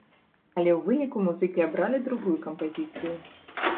Але ў выніку музыкі абралі другую кампазіцыю.